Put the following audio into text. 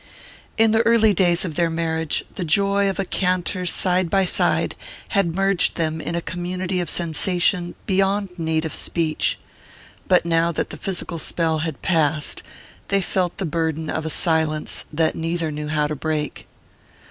In the early days of their marriage the joy of a canter side by side had merged them in a community of sensation beyond need of speech; but now that the physical spell had passed they felt the burden of a silence that neither knew how to break.